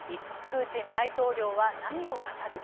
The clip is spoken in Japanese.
プーチン大統領は何を語る？